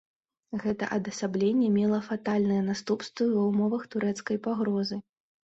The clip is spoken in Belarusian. Гэта адасабленне мела фатальныя наступствы ва ўмовах турэцкай пагрозы.